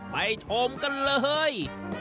ไปชมกันเลย